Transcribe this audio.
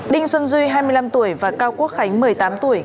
đinh xuân duy hai mươi năm tuổi và cao quốc khánh một mươi tám tuổi